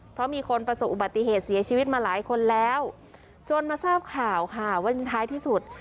เพราะมีคนประสบอุบัติเหตุเสียชีวิตมาหลายคนแล้วจนมาทราบข่าวค่ะว่าท้ายที่สุด